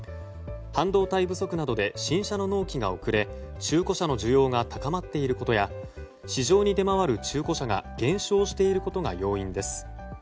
半導体不足などで新車の納期が遅れ中古車の需要が高まっていることや市場に出回る中古車が減少していることが要因です。